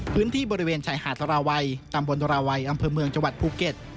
พื้นที่บริเวณชายหาดราวัยตำบลตราวัยอำเภอเมืองจังหวัดภูเก็ต